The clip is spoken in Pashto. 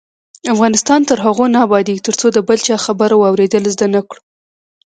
افغانستان تر هغو نه ابادیږي، ترڅو د بل چا خبره واوریدل زده نکړو.